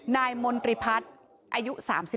นายมนตรีพัฒน์อายุ๓๒